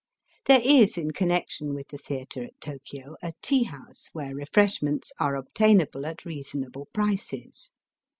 There is in connection with the theatre at Tokio a tea house, where refreshments are obtainable at reasonable prices.